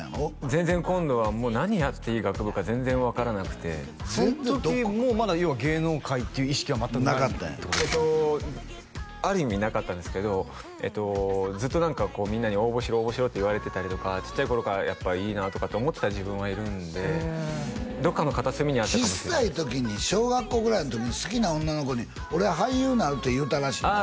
全然今度はもう何やっていい学部か全然分からなくてその時もまだ要は芸能界っていう意識は全くないえっとある意味なかったんですけどずっと何かこうみんなに「応募しろ応募しろ」って言われてたりとかちっちゃい頃からやっぱいいなとかって思ってた自分はいるんでどっかの片隅にちっさい時に小学校ぐらいの時に好きな女の子に「俺俳優なる」って言うたらしいなあ